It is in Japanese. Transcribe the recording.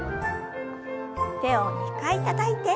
手を２回たたいて。